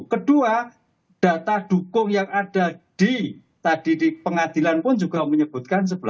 kedua data dukung yang ada di pengadilan pun juga menyebutkan sebelas